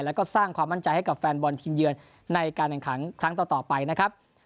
แล้วก็สร้างความมั่นใจให้กับแฟนบอลทีมเยือนในการแข่งขันครั้งต่อไปนะครับ